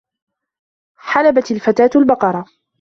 حَلَبَتْ الْفَتَاةُ الْبَقَرَةَ.